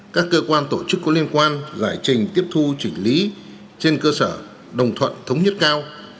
các cơ quan tổ chức có liên quan giải trình tiếp thu chỉnh lý trên cơ sở đồng thuận thống nhất cao